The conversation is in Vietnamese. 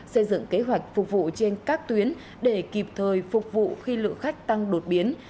xây dựng kế hoạch phục vụ trên các tuyến để kịp thời phục vụ khi lượng khách tăng đột biến